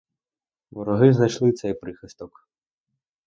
Вороги знайшли і цей прихисток.